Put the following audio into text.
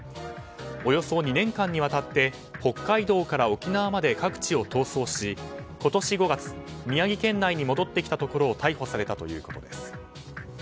およそ２年間にわたって北海道から沖縄まで各地を逃走し今年５月宮城県内に戻ってきたところを逮捕されたということです。